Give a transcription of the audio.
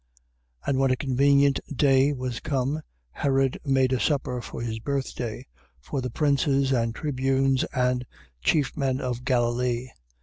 And when a convenient day was come, Herod made a supper for his birthday, for the princes, and tribunes, and chief men of Galilee.